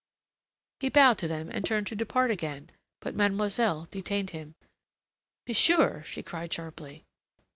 He bowed to them, and turned to depart again, but mademoiselle detained him. "Monsieur!" she cried sharply.